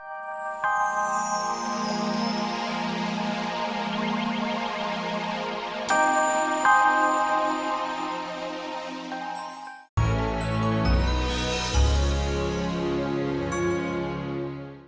aku masih belajar aku masih belajar